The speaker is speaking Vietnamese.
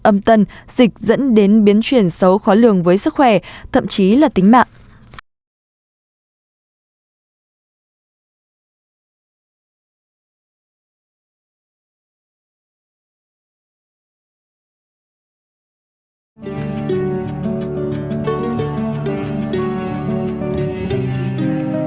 âm tân dịch dẫn đến biến chuyển xấu khó lường với sức khỏe thậm chí là tính mạng